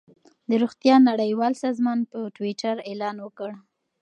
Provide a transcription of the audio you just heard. د روغتیا نړیوال سازمان په ټویټر اعلان وکړ.